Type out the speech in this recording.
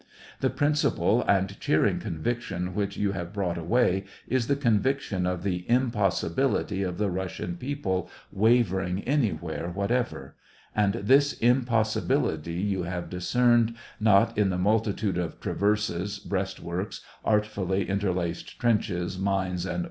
The principal and cheering conviction which you have brought away is the conviction of the impossibility of the Russian people wavering any where whatever — and this impossibility you have discerned not in the multitude of traverses, breast works, artfully interlaced trenches, mines, and SEVASTOPOL IN DECEMBER.